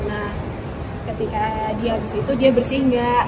nah ketika dia habis itu dia bersih enggak